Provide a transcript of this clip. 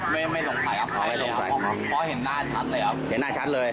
ไม่สงสัยอภัยเลยครับเพราะเห็นหน้าชัดเลยครับเห็นหน้าชัดเลย